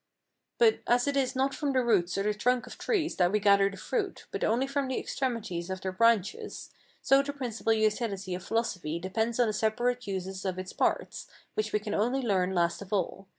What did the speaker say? But as it is not from the roots or the trunks of trees that we gather the fruit, but only from the extremities of their branches, so the principal utility of philosophy depends on the separate uses of its parts, which we can only learn last of all.